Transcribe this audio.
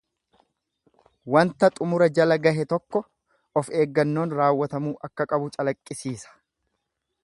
Wanta xumura jala gahe tokko of eeggannoon raawwatamuu akka qabu calaqqisiisa.